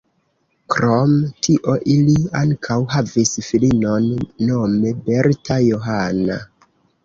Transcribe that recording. Krom tio ili ankaŭ havis filinon nome Berta Johanna.